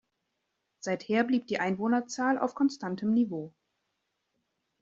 Seither blieb die Einwohnerzahl auf konstantem Niveau.